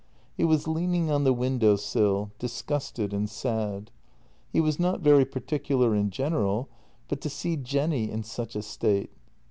He was leaning on the window sill, disgusted and sad. He was not very particular in general, but to see Jenny in such a state.